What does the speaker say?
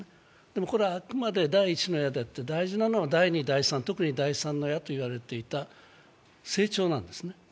でも、これはあくまでも第一の矢であって第二、第三、特に第三の矢と言われていた成長なんですね。